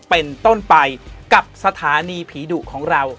เป็นต้นไปกับสถานีผีดุของเรา